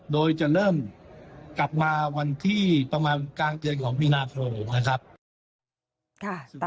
โดยจะเริ่มกลับมาวันที่ประมาณกลางเดือนของมีนาคมนะครับ